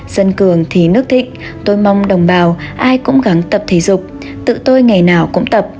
dân cường thì nước thịnh tôi mong đồng bào ai cũng gắn tập thể dục tự tôi ngày nào cũng tập